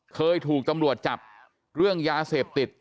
เคยถูกตำรวจจับเรื่องยาเสพติด